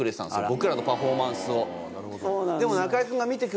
僕らのパフォーマンスを。